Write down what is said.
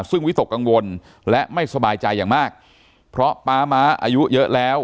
ซึ่งวิตกกังวลและไม่สบายใจอย่างมากเพราะป๊าม้าอายุเยอะแล้ว